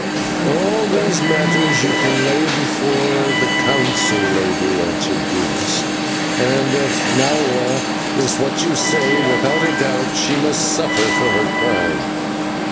"All these matters you can lay before the Council, lady," answered Dimas, "and if Nahua is what you say, without a doubt she must suffer for her crime.